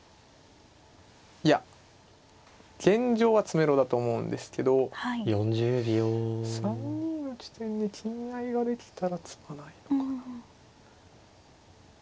いや現状は詰めろだと思うんですけど３二の地点で金合いができたら詰まないのかな。